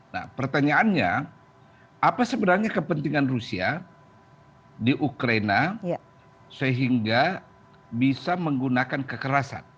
nah pertanyaannya apa sebenarnya kepentingan rusia di ukraina sehingga bisa menggunakan kekerasan